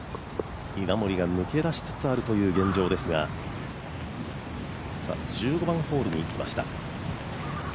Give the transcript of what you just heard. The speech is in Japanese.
稲森が抜け出しつつあるという現状ですが１５番ホールにいきました。